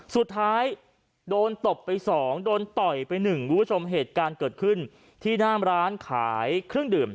สุดท้ายโดนตบไปสองโดนต่อยไปหนึ่งคุณผู้ชมเหตุการณ์เกิดขึ้นที่หน้ามร้านขายเครื่องดื่ม